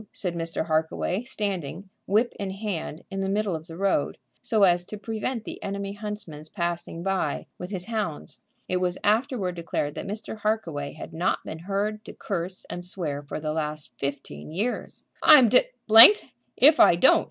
said Mr. Harkaway, standing, whip in hand, in the middle of the road, so as to prevent the enemy's huntsman passing by with his hounds. It was afterward declared that Mr. Harkaway had not been heard to curse and swear for the last fifteen years. "I'm d d if I don't!"